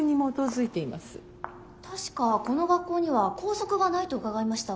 確かこの学校には校則がないと伺いましたが。